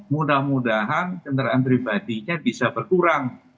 mudah mudahan kendaraan pribadinya bisa berkurang